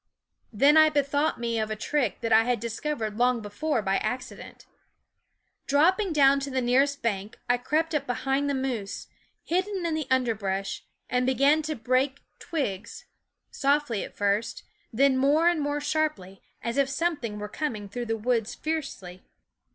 Then I bethought me of a trick that I had dis covered long before by accident. Dropping down to the nearest bank, I crept up behind the moose, hidden in the underbrush, and began to break twigs, softly at first, then more and more sharply, as if something were coming through the woods fearlessly.